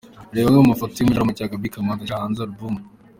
Reba amwe mu mafoto yo mu gitaramo cya Gaby Kamanzi ashyira hanze album.